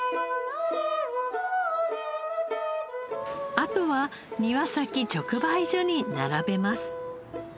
あとは庭先直売所に並べます。